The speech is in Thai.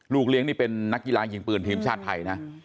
เลี้ยงนี่เป็นนักกีฬายิงปืนทีมชาติไทยนะ